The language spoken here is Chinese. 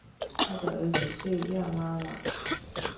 他的儿子是亚拉瓦。